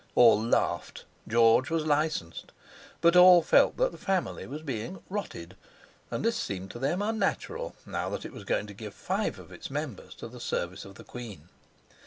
All laughed—George was licensed; but all felt that the family was being "rotted"; and this seemed to them unnatural, now that it was going to give five of its members to the service of the Queen.